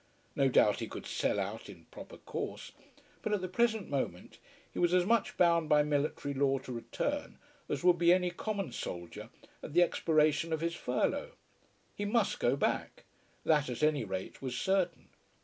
No doubt he could sell out in proper course, but at the present moment he was as much bound by military law to return as would be any common soldier at the expiration of his furlough. He must go back. That at any rate was certain.